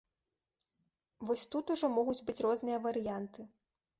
Вось тут ужо могуць быць розныя варыянты.